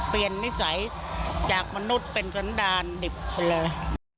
เปลี่ยนนิสัยจากมนุษย์เป็นสันดารดิบไปแล้ว